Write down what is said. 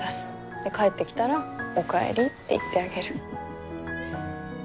で帰ってきたらおかえりって言ってあげる。